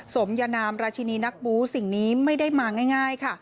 สมยนามราชินีนักบูสิ่งนี้ไม่ได้มาง่ายค่ะ